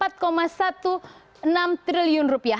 empat enam belas triliun rupiah